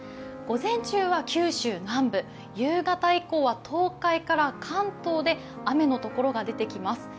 午前中は九州南部、夕方以降は東海から関東で雨のところが出てきます。